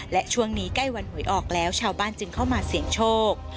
และช่วงนี้ใกล้วันหวยออกแล้วชาวบ้านจึงเข้ามาเสี่ยงโชค